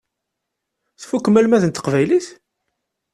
Tfukkem almad n teqbaylit?